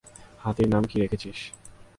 হাতির নাম কী রেখেছিস?